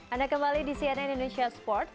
anda kembali di cnn indonesia sports